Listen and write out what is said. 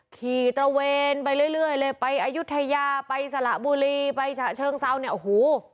ตระเวนไปเรื่อยเลยไปอายุทยาไปสละบุรีไปฉะเชิงเซาเนี่ยโอ้โห